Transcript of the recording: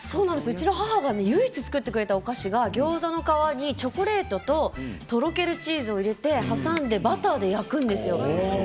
うちの母が唯一作ってくれたお菓子がギョーザの皮にチョコレートととろけるチーズを挟んでバターで焼いて作るんですよ。